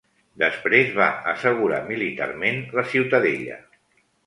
Després va assegurar militarment la ciutadella.